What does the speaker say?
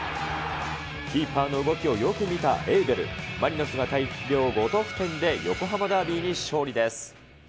キーパーの動きをよく見たエウベル、マリノスが大量５得点で横浜ダービーに勝利です。